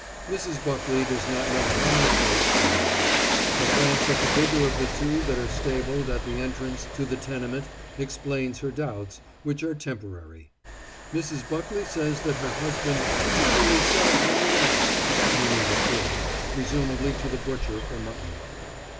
Mrs. Buckley does not know how many goats she has. A glance at the bigger of the two that are stabled at the entrance to the tenement explains her doubts, which are temporary. Mrs. Buckley says that her husband "generally sells them away," meaning the kids, presumably to the butcher for mutton.